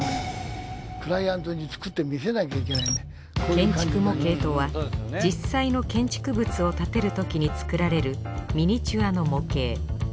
建築模型とは実際の建築物を建てるときに作られるミニチュアの模型。